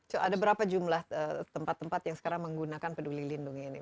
jadi ada berapa jumlah tempat tempat yang sekarang menggunakan peduli lindung ini